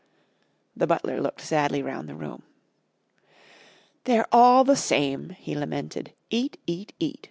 The butler looked sadly round the room. "They're all the same," he lamented. "Eat, eat, eat.